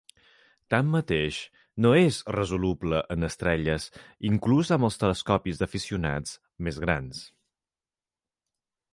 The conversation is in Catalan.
Tanmateix, no és resoluble en estrelles inclús amb els telescopis d'aficionats més grans.